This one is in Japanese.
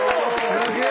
すげえ！